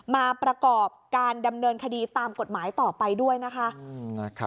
มาประกอบการดำเนินคดีตามกฎหมายต่อไปด้วยนะคะ